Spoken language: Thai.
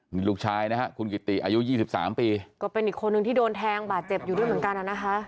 นี่ลูกชายนะฮะคุณกิติอายุ๒๓ปีก็เป็นอีกคนนึงที่โดนแทงบาดเจ็บอยู่ด้วยเหมือนกันนะคะ